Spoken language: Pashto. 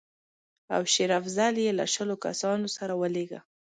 او شېر افضل یې له شلو کسانو سره ولېږه.